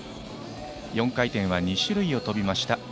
４回転は２種類を跳びました。